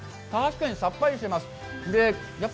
確かにさっぱりしてます。